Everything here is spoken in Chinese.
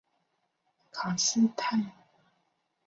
卡斯泰尼奥苏斯朗。